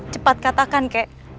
cepat katakan kek